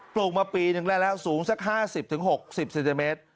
ปลูกมาปีนึงแล้วแล้วสูงสักห้าสิบถึงหกสิบเซนติเมตร